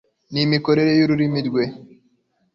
ni mikorere y'ururimi rwe.